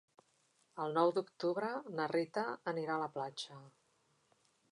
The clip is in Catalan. El nou d'octubre na Rita anirà a la platja.